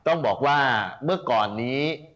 ต้องบอกว่าเมื่อก่อนนี้